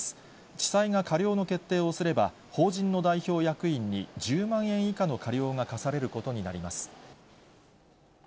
地裁が過料の決定をすれば、法人の代表役員に１０万円以下の過料が科されることになります。